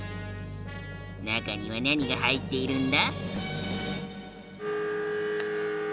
中には何が入っているんだ？